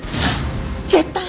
絶対！